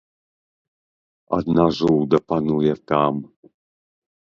Адна жуда пануе там.